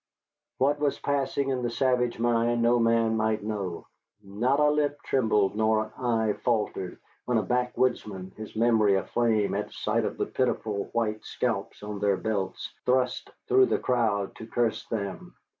What was passing in the savage mind no man might know. Not a lip trembled nor an eye faltered when a backwoodsman, his memory aflame at sight of the pitiful white scalps on their belts, thrust through the crowd to curse them.